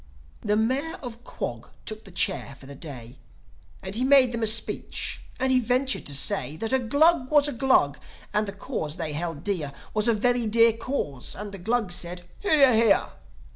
The Mayor of Quog took the chair for the day; And he made them a speech, and he ventured to say That a Glug was a Glug, and the Cause they held dear Was a very dear Cause. And the Glugs said, "Hear, hear."